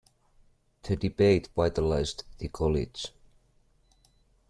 The debate vitalized the college.